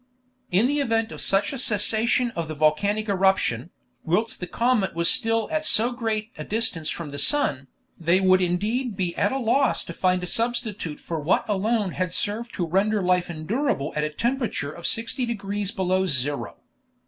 In the event of such a cessation of the volcanic eruption, whilst the comet was still at so great a distance from the sun, they would indeed be at a loss to find a substitute for what alone had served to render life endurable at a temperature of 60 degrees below zero.